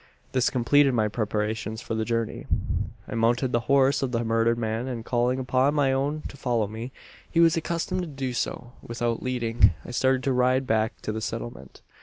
"This completed my preparations for the journey. "I mounted the horse of the murdered man; and, calling upon my own to follow me he was accustomed to do so without leading I started to ride back to the settlement.